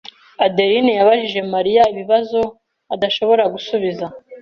Adeline yabajije Mariya ibibazo adashobora gusubiza.